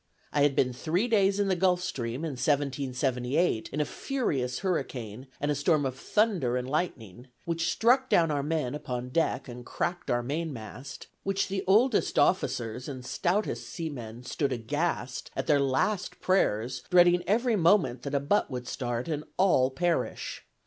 I had been three days in the Gulf Stream, in 1778, in a furious hurricane and a storm of thunder and lightning, which struck down our men upon deck, and cracked our mainmast; when the oldest officers and stoutest seamen stood aghast, at their last prayers, dreading every moment that a butt would start, and all perish.